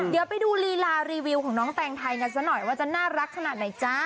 เดี๋ยวไปดูลีลารีวิวของน้องแตงไทยกันสักหน่อยว่าจะน่ารักขนาดไหนจ๊ะ